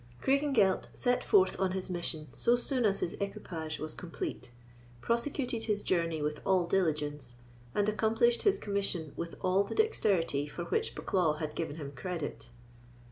Craigengelt set forth on his mission so soon as his equipage was complete, prosecuted his journey with all diligence, and accomplished his commission with all the dexterity for which bucklaw had given him credit.